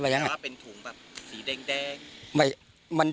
ว่าเป็นถุงแบบสีแดง